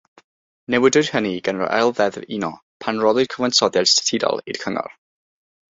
Newidiwyd hynny gan yr Ail Ddeddf Uno pan roddwyd cyfansoddiad statudol i'r cyngor.